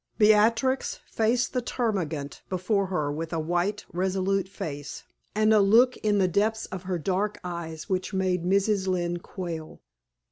Beatrix faced the termagant before her with a white, resolute face, and a look in the depths of her dark eyes which made Mrs. Lynne quail.